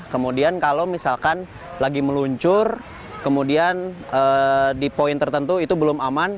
kemudian kalau misalkan lagi meluncur kemudian di poin tertentu itu belum aman